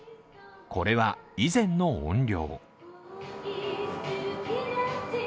これは以前の音量。